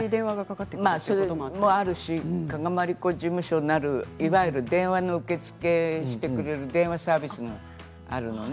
それもありますし加賀まりこ事務所なるいわゆる電話の受付をしてくれる電話のサービスもあるのね。